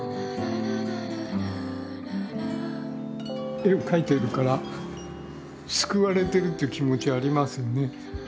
絵を描いてるから救われてるって気持ちはありますよね。